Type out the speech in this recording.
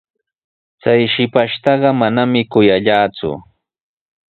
Chay shipashtaqa manami kuyallaaku.